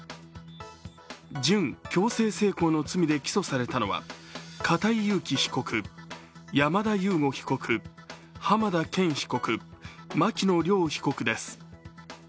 準強制性交の罪で起訴されたのは片井裕貴被告、山田悠護被告、濱田健被告、牧野稜被告です。